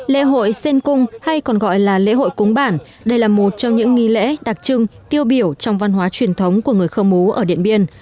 lễ hội sen cung hay còn gọi là lễ hội cúng bản đây là một trong những nghi lễ đặc trưng tiêu biểu trong văn hóa truyền thống của người khơ mú ở điện biên